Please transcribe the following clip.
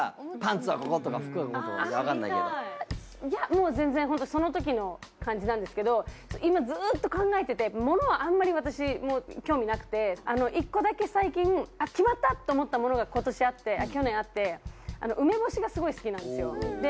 いやもう全然ホントそのときの感じなんですけど今ずっと考えててものはあんまり私も興味なくて一個だけ最近決まったって思ったものが去年あって梅干しがすごい好きなんですよ。